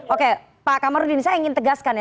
oke pak kamarudin saya ingin tegaskan ya